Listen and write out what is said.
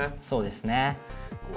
そうですね。